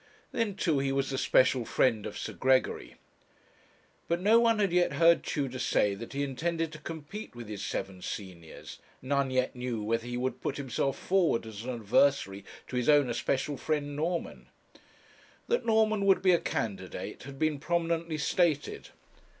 Then, too, he was the special friend of Sir Gregory. But no one had yet heard Tudor say that he intended to compete with his seven seniors none yet knew whether he would put himself forward as an adversary to his own especial friend, Norman. That Norman would be a candidate had been prominently stated.